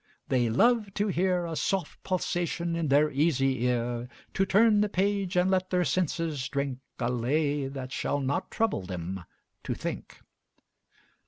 They "Love to hear A soft pulsation in their easy ear; To turn the page, and let their senses drink A lay that shall not trouble them to think."